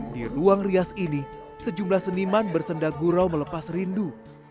di ruang rias ini sejumlah seniman bersendagurau melepas rindu